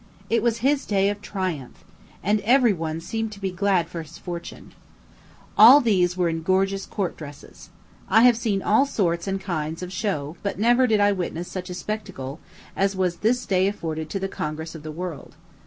It was his day of triumph, and every one seemed to be glad for his fortune. All these were in gorgeous court dresses. I have seen all sorts and kinds of show, but never did I witness such a spectacle as was this day afforded to the congress of the world.